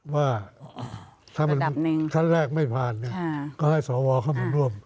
ว่าถ้าท่านแรกไม่ผ่านก็ให้สวเข้ามาร่วม